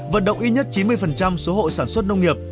vận động ít nhất chín mươi số hộ sản xuất nông nghiệp